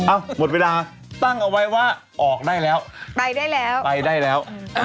หมดเวลาตั้งเอาไว้ว่าออกได้แล้วไปได้แล้วไปได้แล้ว